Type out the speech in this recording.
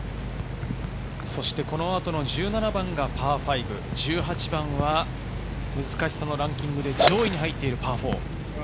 そして、この後の１７番がパー５、１８番は難しさのランキングで上位に入っているパー４。